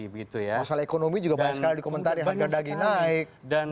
masalah ekonomi juga banyak sekali dikomentari harga daging naik